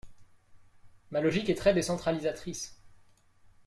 Ma logique est très décentralisatrice.